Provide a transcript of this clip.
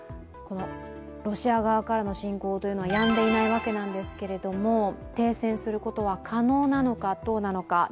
ロシア側からの侵攻はやんでいないわけですが、停戦することは可能なのかどうなのか。